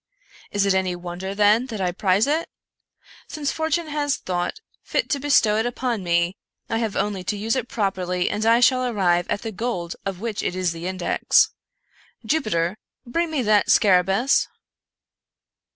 Is it any wonder, then, that I prize it? Since For tune has thought fit to bestow it upon me, I have only to use it properly, and I shall arrive at the gold of which it is the index. Jupiter, bring me that scarabaus!"